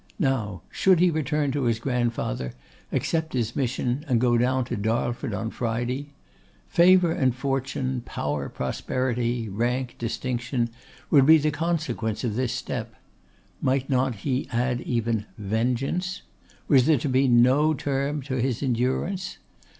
Now, should he return to his grandfather, accept his mission, and go down to Darlford on Friday? Favour and fortune, power, prosperity, rank, distinction would be the consequence of this step; might not he add even vengeance? Was there to be no term to his endurance?